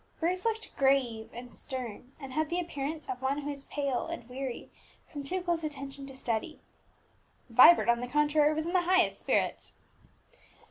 Bruce looked grave and stern, and had the appearance of one who is pale and weary from too close attention to study. Vibert, on the contrary, was in the highest spirits.